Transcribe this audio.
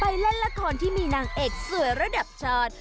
เล่นละครที่มีนางเอกสวยระดับชาติ